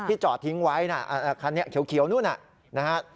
ที่จอดทิ้งไว้คันนี้เขียวนู้นนั่น